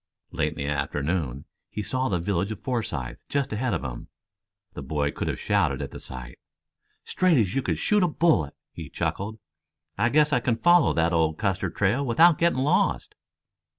Late in the afternoon, he saw the village of Forsythe just ahead of him. The boy could have shouted at the sight. "Straight as you could shoot a bullet," he chuckled. "I guess I can follow the old Custer trail without getting lost."